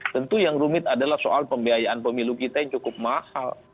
tentu yang rumit adalah soal pembiayaan pemilu kita yang cukup mahal